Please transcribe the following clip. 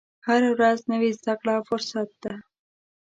هره ورځ نوې زده کړه فرصت ده.